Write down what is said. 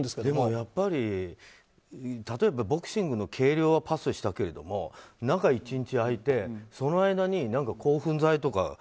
でもやっぱり例えばボクシングの計量はパスしたけれども中１日空いてその間に興奮剤とか。